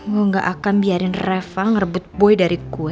gua nggak akan biarin reva ngerebut boy dari gue